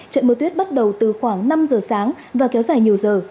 trận mưa tuyết bắt đầu từ khoảng năm giờ sáng và kéo dài nhiều giờ